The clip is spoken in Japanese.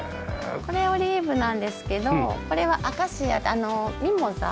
これオリーブなんですけどこれはアカシアミモザ。